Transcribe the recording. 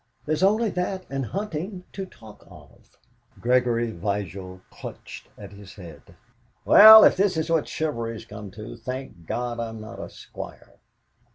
There's only that and hunting to talk of." Gregory Vigil clutched at his head. "Well, if this is what chivalry has come to, thank God I'm not a squire!"